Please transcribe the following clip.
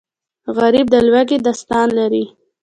غریب د لوږې داستان لري